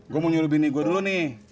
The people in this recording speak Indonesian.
gue mau nyuruh bini gue dulu nih